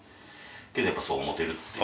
けど、やっぱりそう思ってるっていう。